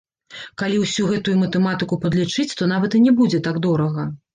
Калі ўсю гэтую матэматыку падлічыць, то нават і не будзе так дорага.